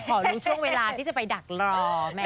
ขอรู้ช่วงเวลาที่จะไปดักรอแม่